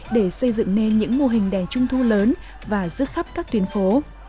để xây dựng nên những mô hình đèn trung thu lớn và rớt khắp các tuyến phố